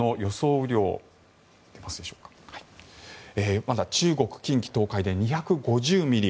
雨量中国、近畿、東海で２５０ミリ。